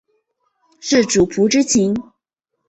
是主仆之情？